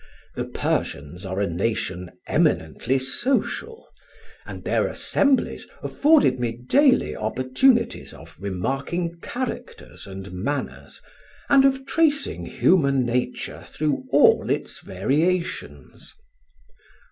The Persians are a nation eminently social, and their assemblies afforded me daily opportunities of remarking characters and manners, and of tracing human nature through all its variations.